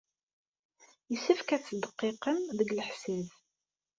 Yessefk ad tettdeqqiqem deg leḥsab.